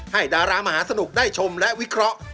ดารามหาสนุกได้ชมและวิเคราะห์